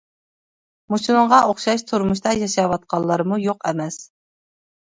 مۇشۇنىڭغا ئوخشاش تۇرمۇشتا ياشاۋاتقانلارمۇ يوق ئەمەس!